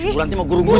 bulan ini mau guru guru